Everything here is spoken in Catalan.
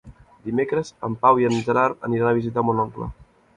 Dimecres en Pau i en Gerard aniran a visitar mon oncle.